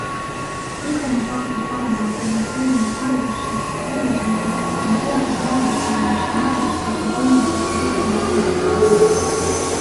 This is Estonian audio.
Pikemas vaates parandavad investeeringud haridusse, tervishoidu ning teadus- ja arendustegevusse majanduskasvu võimekust ja tõstavad elatustaset.